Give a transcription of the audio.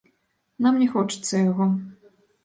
Нам не хочацца яго.